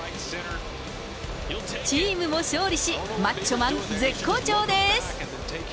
チームも勝利し、マッチョマン、絶好調です。